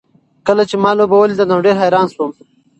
کله چې ما لوبه ولیده نو ډېر حیران شوم.